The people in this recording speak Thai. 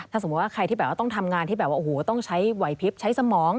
สมมุติว่าใครที่แบบว่าต้องทำงานที่แบบว่าโอ้โหต้องใช้ไหวพลิบใช้สมอง